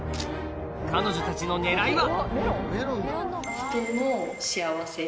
彼女たちの狙いは？